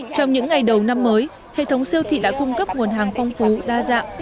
trong những ngày đầu năm mới hệ thống siêu thị đã cung cấp nguồn hàng phong phú đa dạng